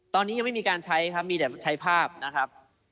ตอนนี้ยังไม่มีการใช้ครับมีแต่ใช้ภาพนะครับ